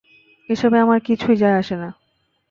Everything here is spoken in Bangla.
এসবে আমার কিছু যায় আসে না।